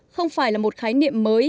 không phải là một khái niệm mới